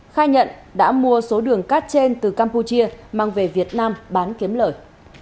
khai nhận đã mua số đường cát trên từ campuchia mang về việt nam bán kiếm lời